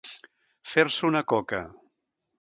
Fer-se una coca.